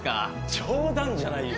冗談じゃないよ。